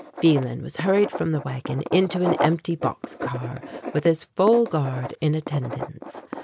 Phelan was hurried from the wagon into an empty box car, with his full guard in attendance.